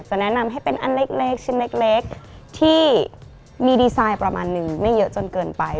แนะนำให้เป็นอันเล็กชิ้นเล็กที่มีดีไซน์ประมาณนึงไม่เยอะจนเกินไป